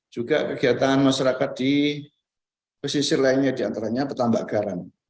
juga kegiatan masyarakat di pesisir lainnya diantaranya petambak garam